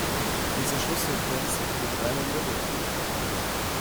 Diese Schlusssequenz wird dreimal wiederholt.